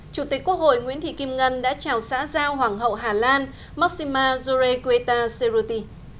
chủ tịch quốc hội nguyễn thị kim ngân đã chào xã giao hoàng hậu hà lan maxima jurekweta seruti